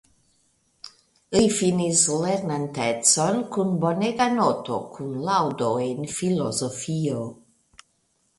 Li finis lernantecon kun bonega noto kun laŭdo en filozofio.